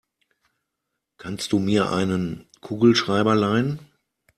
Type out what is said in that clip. Kannst du mir einen Kugelschreiber leihen?